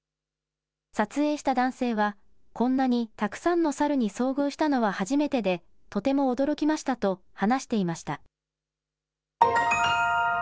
撮影した男性は、こんなにたくさんのサルに遭遇したのは初めてで、とても驚きましたと話していました。